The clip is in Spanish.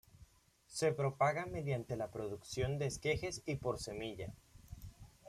Se propaga mediante la producción de esquejes y por semilla.